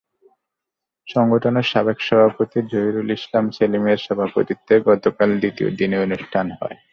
সংগঠনের সাবেক সভাপতি জহিরুল ইসলাম সেলিমের সভাপতিত্বে গতকাল দ্বিতীয় দিনের অনুষ্ঠান হয়।